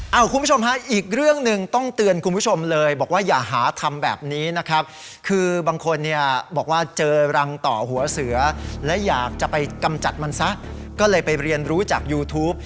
คุณผู้ชมฮะอีกเรื่องหนึ่งต้องเตือนคุณผู้ชมเลยบอกว่าอย่าหาทำแบบนี้นะครับคือบางคนเนี่ยบอกว่าเจอรังต่อหัวเสือและอยากจะไปกำจัดมันซะก็เลยไปเรียนรู้จากยูทูป